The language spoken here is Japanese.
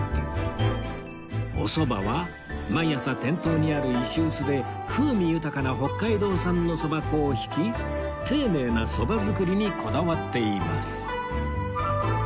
おそばは毎朝店頭にある石臼で風味豊かな北海道産のそば粉を挽き丁寧なそば作りにこだわっています